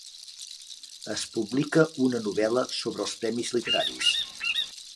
Es publica una novel·la sobre els premis literaris